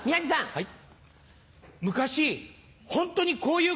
はい。